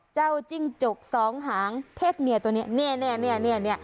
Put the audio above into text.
เจ้าจิ้งจกสองหางเพชรเมียตัวนี้นี่